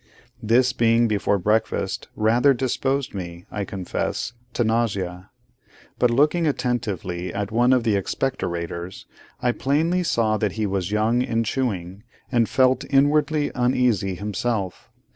This being before breakfast, rather disposed me, I confess, to nausea; but looking attentively at one of the expectorators, I plainly saw that he was young in chewing, and felt inwardly uneasy, himself.